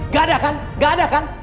gak ada kan gak ada kan